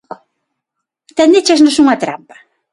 Tendíchesnos unha trampa?